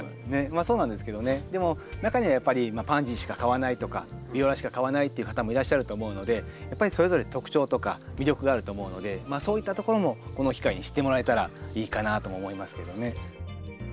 まあそうなんですけどねでも中にはやっぱりパンジーしか買わないとかビオラしか買わないっていう方もいらっしゃると思うのでやっぱりそれぞれ特徴とか魅力があると思うのでそういったところもこの機会に知ってもらえたらいいかなとも思いますけどね。